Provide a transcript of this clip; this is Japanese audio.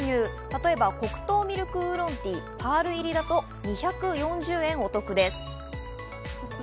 例えば黒糖ミルク烏龍ティーのパール入りだと２４０円お得です。